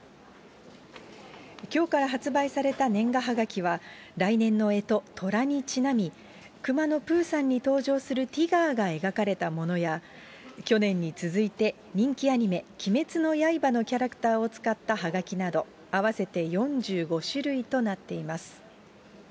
きょうから発売された年賀はがきは、来年のえと、とらにちなみ、くまのプーさんに登場するティガーが描かれたものや、去年に続いて、人気アニメ、鬼滅の刃のキャラクターを使ったはがきなど、合わせて４５種類となっています。